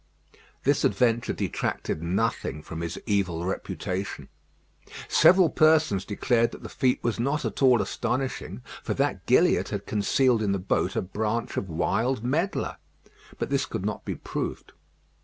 This adventure detracted nothing from his evil reputation. Several persons declared that the feat was not at all astonishing, for that Gilliatt had concealed in the boat a branch of wild medlar. But this could not be proved.